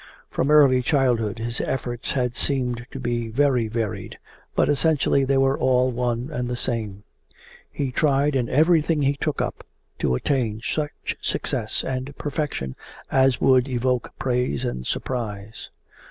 From early childhood his efforts had seemed to be very varied, but essentially they were all one and the same. He tried in everything he took up to attain such success and perfection as would evoke praise and surprise.